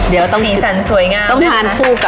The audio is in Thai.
สีสันสวยงามนะคะ